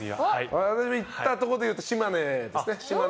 私が行ったところで言うと島根ですね。